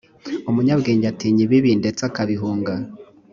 umunyabwenge atinya ibibi ndetse akabihunga